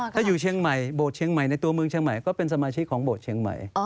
ถ้าอยู่เชียงใหม่โบสถเชียงใหม่ในตัวเมืองเชียงใหม่ก็เป็นสมาชิกของโบสถเชียงใหม่